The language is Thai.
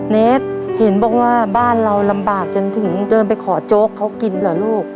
เนสเห็นบอกว่าบ้านเราลำบากจนถึงเดินไปขอโจ๊กเขากินเหรอลูก